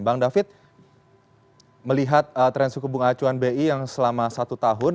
bang david melihat tren suku bunga acuan bi yang selama satu tahun